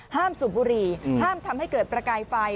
สูบบุหรี่ห้ามทำให้เกิดประกายไฟ